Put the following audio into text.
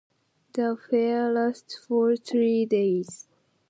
The fair lasts for three days.